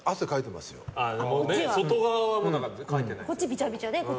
外側はかいてないと。